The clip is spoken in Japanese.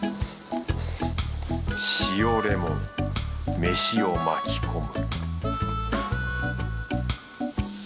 塩レモンメシを巻き込む